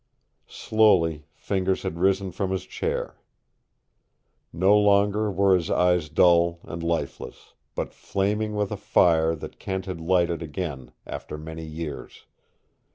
Slowly Fingers had risen from his chair. No longer were his eyes dull and lifeless, but flaming with a fire that Kent had lighted again after many years.